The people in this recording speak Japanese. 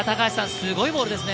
すごいボールですね。